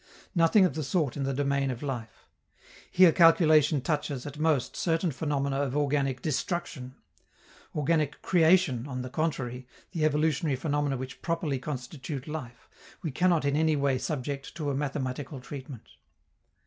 Nothing of the sort in the domain of life. Here calculation touches, at most, certain phenomena of organic destruction. Organic creation, on the contrary, the evolutionary phenomena which properly constitute life, we cannot in any way subject to a mathematical treatment.